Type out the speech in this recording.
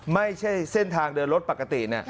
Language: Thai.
ไม่ใช่เส้นทางเดินรถปกติ